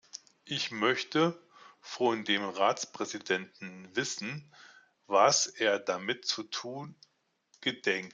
Ich möchte von dem Ratspräsidenten wissen, was er damit zu tun gedenkt.